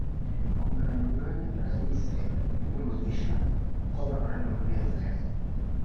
Kumarana umwanya na Alice ni nk’umugisha kuko bahorana umunezero